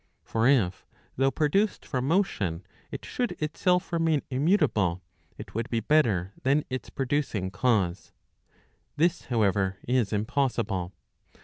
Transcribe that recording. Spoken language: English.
For if, though produced from motion, it should itself remain immutable, it would be better than its producing cause. This, however, is impossible.